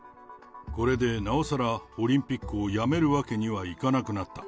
これでなおさら、オリンピックをやめるわけにはいかなくなった。